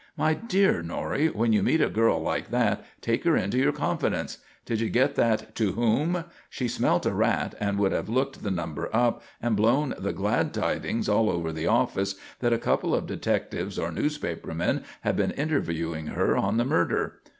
"My dear Norrie, when you meet a girl like that take her into your confidence. Did you get that 'to whom'? She smelt a rat and would have looked the number up and blown the glad tidings all over the office that a couple of detectives or newspaper men had been interviewing her on the murder.